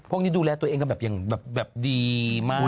พวกนี้ดูแลตัวเองก็แบบดีมาก